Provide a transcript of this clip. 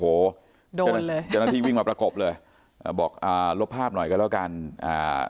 โอ้โหโดนเลยเจ้าหน้าที่วิ่งมาประกบเลยอ่าบอกอ่าลบภาพหน่อยก็แล้วกันอ่า